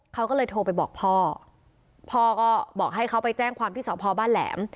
เขาก็เลยโทรไปบอกพ่อพ่อก็บอกให้เขาไปแจ้งความที่สพบ้านแหลม